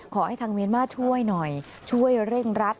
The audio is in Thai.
ขอให้ทางเมียนมาร์ช่วยหน่อยช่วยเร่งรัด